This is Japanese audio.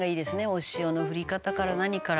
お塩の振り方から何から」